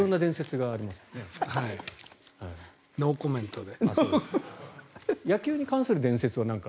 はい、ノーコメントで。